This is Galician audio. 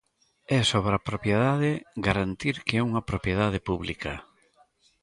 É sobre a propiedade, garantir que é unha propiedade pública.